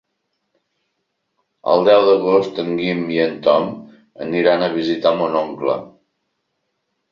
El deu d'agost en Guim i en Tom aniran a visitar mon oncle.